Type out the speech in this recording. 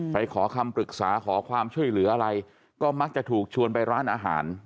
ขอคำปรึกษาขอความช่วยเหลืออะไรก็มักจะถูกชวนไปร้านอาหาร